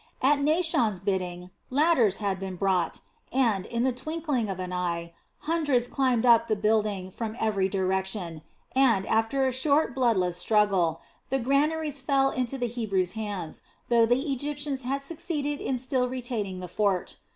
At Naashon's bidding ladders had been brought and, in the twinkling of an eye, hundreds climbed up the building from every direction and, after a short, bloodless struggle, the granaries fell into the Hebrews' hands, though the Egyptians had succeeded in still retaining the fort.